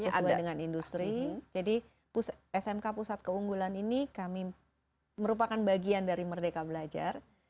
sesuai dengan industri jadi smk pusat keunggulan ini kami merupakan bagian dari merdeka belajar